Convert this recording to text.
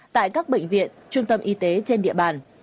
tại các bệnh viện trung tâm y tế trên địa bàn